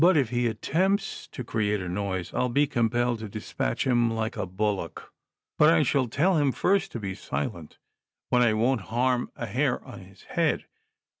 if he attemi^ts to create a noise, I'll be com])elled to disiiatch him like a liuUock ; but I shall tell him first to be silent, when I wont liarm a hair on his head.